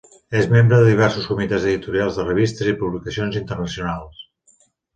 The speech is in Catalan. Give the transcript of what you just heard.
És membre de diversos comitès editorials de revistes i publicacions internacionals.